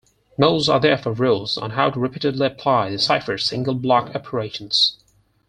Modes are therefore rules on how to repeatedly apply the ciphers' single-block operations.